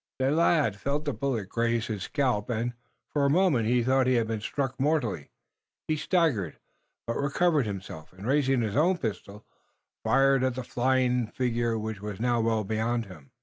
The lad felt the bullet graze his scalp, and, for a moment, he thought he had been struck mortally. He staggered, but recovered himself, and raising his own pistol, fired at the flying figure which was now well beyond him.